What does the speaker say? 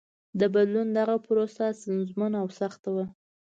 د بدلون دغه پروسه ستونزمنه او سخته وه.